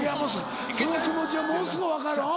その気持ちはものすごい分かる。